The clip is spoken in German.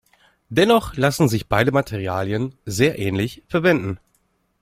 Dennoch lassen sich beide Materialien sehr ähnlich verwenden.